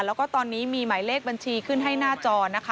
แล้วก็ตอนนี้มีหมายเลขบัญชีขึ้นให้หน้าจอนะคะ